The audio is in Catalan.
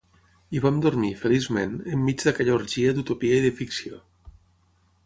I vam dormir, feliçment, enmig d'aquella orgia d'utopia i de ficció.